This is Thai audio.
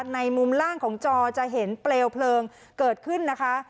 มุมล่างของจอจะเห็นเปลวเพลิงเกิดขึ้นนะคะ